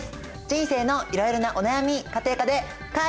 人生のいろいろなお悩み家庭科で解決しよう！